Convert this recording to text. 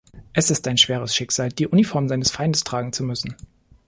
Es ist ein schweres Schicksal, die Uniform seines Feindes tragen zu müssen.